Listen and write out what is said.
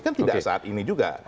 kan tidak saat ini juga